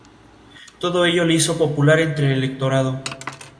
Todo ello le hizo popular entre el electorado.